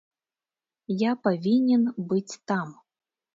Я павінен быць там.